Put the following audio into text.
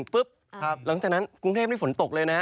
หลังจากนั้นกรุงเทพนี่ฝนตกเลยนะ